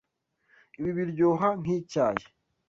Ibi biryoha nkicyayi.